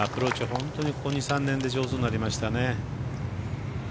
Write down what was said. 本当にこの２３年で上手になりましたね。